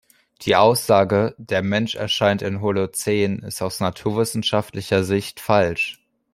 Die Aussage "Der Mensch erscheint im Holozän" ist aus naturwissenschaftlicher Sicht falsch.